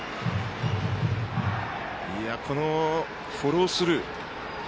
このフォロースルー。